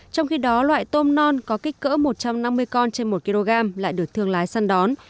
trong khi đó loại tôm non có kích cỡ một trăm năm mươi con trên một kg lại được thương lái săn đón